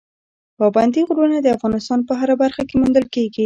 پابندي غرونه د افغانستان په هره برخه کې موندل کېږي.